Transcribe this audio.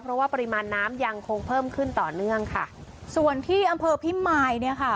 เพราะว่าปริมาณน้ำยังคงเพิ่มขึ้นต่อเนื่องค่ะส่วนที่อำเภอพิมายเนี่ยค่ะ